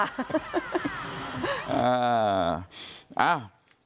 เอ้า